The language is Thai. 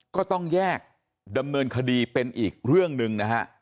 ก็ต้องแยกดำเนินคดีเป็นอีกเรื่องหนึ่งนะฮะ